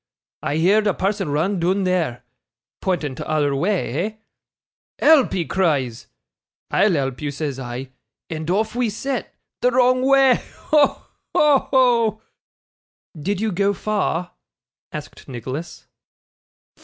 I heerd a person run doon there" (pointing t'other wa' eh?) "Help!" he cries. "I'll help you," says I; and off we set the wrong wa'! Ho! ho! ho!' 'Did you go far?' asked Nicholas.